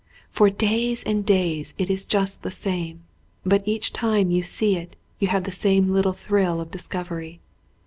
For days and days it just the same, but each time you see it you have the same little thrill of discovery.